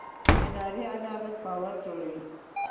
اداري عدالت باور جوړوي